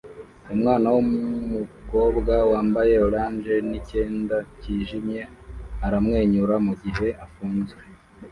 Umwana wumukobwa wambaye orange nicyenda cyijimye aramwenyura mugihe afunzwe